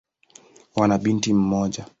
Wana binti mmoja.